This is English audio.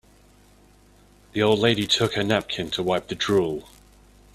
The old lady took her napkin to wipe the drool.